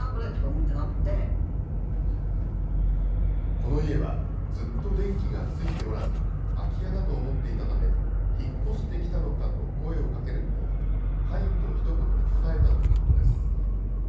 この家は、ずっと電気がついておらず、空き家だと思っていたため、引っ越してきたのかと声をかけると、はいとひと言、答えたということです。